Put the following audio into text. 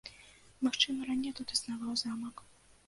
Магчыма, раней тут існаваў замак.